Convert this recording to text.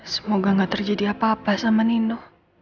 semoga gak terjadi apa apa sama nindo